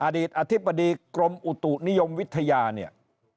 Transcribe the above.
อดีตอธิบดีกรมอุตุนิยมวิทยาเนี่ย